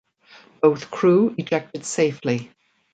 Both crew ejected safely.